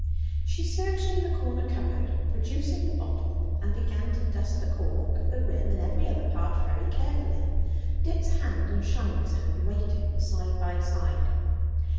She searched in the corner cupboard, produced the bottle, and began to dust the cork, the rim, and every other part very carefully, Dick's hand and Shiner's hand waiting side by side.